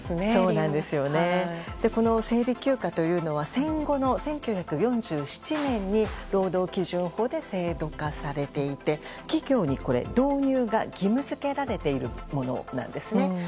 この生理休暇というのは戦後の１９４７年に労働基準法で制度化されていて企業に導入が義務付けられているものなんです。